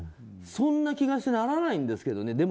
そんな気がしてならないんですけどね。